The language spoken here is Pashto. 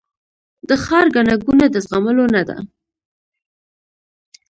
د ښار ګڼه ګوڼه د زغملو نه ده